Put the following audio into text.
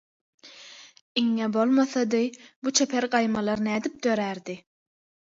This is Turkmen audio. Iňňe bolmasady bu çeper gaýmalar nädip dörärdi?!